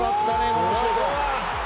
このシュート。